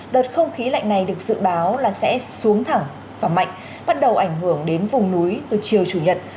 đợt không khí lạnh này được dự báo là sẽ xuống thẳng và mạnh bắt đầu ảnh hưởng đến vùng núi từ chiều chủ nhật